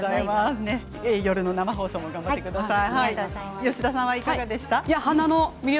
夜の生放送も頑張ってください。